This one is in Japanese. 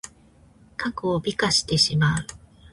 過去を美化してしまう。